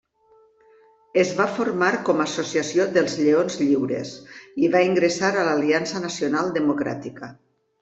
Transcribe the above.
Es va formar com Associació dels Lleons Lliures i va ingressar a l'Aliança Nacional Democràtica.